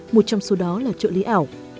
một trong số đó là trợ lý ảo